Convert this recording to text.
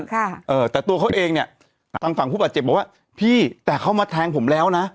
ค่ะเออแต่ตัวเขาเองเนี้ยทางฝั่งผู้บาดเจ็บบอกว่าพี่แต่เขามาแทงผมแล้วนะ